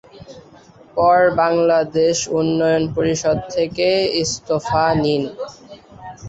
পর বাংলাদেশ উন্নয়ন পরিষদ থেকে ইস্তফা নেন।